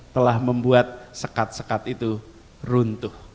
telah membuat sekat sekat itu runtuh